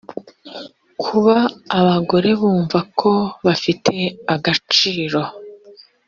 kuba abagore bumva ko bafite agaciro